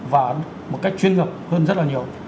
và một cách chuyên ngập hơn rất là nhiều